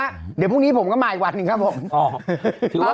เดี๋ยวพวกนี้ผมก็มาอีกวันครับผมเผา